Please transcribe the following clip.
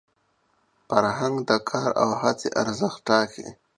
فرهنګ د کار او هڅي ارزښت ټاکي.